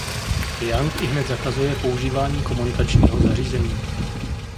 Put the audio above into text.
Young ihned zakazuje používání komunikačního zařízení.